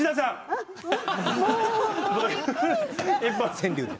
川柳で。